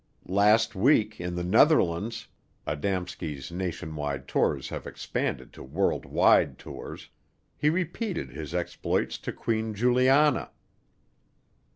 Last week, in the Netherlands (Adamski's nationwide tours have expanded to world wide tours), he repeated his exploits to Queen Juliana.